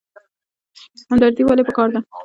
همدردي ولې پکار ده؟